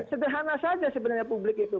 sederhana saja sebenarnya publik itu